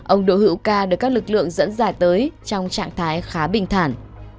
ông đỗ hữu ca được các lực lượng dẫn dài tới trong trạng thái khá bình thản